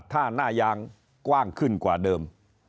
ถ้าหน้ายางกว้างขึ้นกว่าเดิม